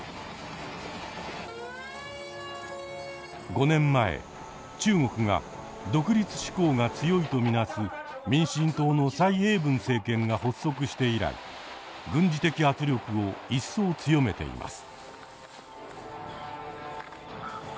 ５年前中国が独立志向が強いと見なす民進党の蔡英文政権が発足して以来軍事的圧力を一層強めています。